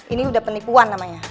ini udah penipuan namanya